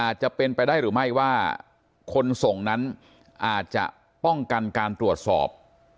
อาจจะเป็นไปได้หรือไม่ว่าคนส่งนั้นอาจจะป้องกันการตรวจสอบ